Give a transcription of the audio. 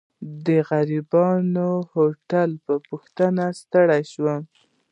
د غریبانه هوټل په پوښتنه ستړی شوم.